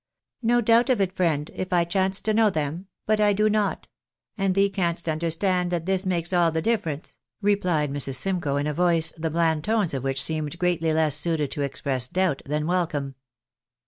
"No doubt of it, friend, if I chanced to know them, but I do not ; and thee canst understand that this makes all the difference," replied Mrs. Simcoe, in a voice, the bland tones of which seemed greatly less suited to express doubt than welcome.